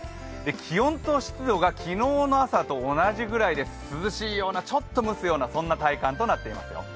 気温と湿度が昨日の朝と同じぐらいで、涼しいような、ちょっと蒸すような体感となっていますよ。